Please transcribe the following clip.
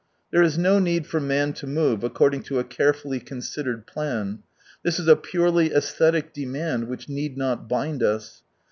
There is no need for man to move according to a carefully considered plan. This is a purely aesthetic demand which need not bind us.